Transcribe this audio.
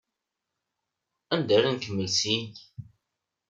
Anda ara nkemmel syin?